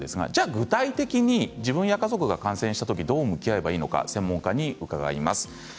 具体的に自分や家族が感染したときどう向き合えばいいのか専門家に伺います。